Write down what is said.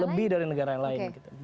lebih dari negara lain